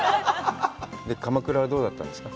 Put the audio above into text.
鎌倉はどうだったんですか。